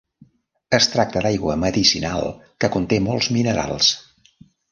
Es tracta d'aigua medicinal, que conté molts minerals.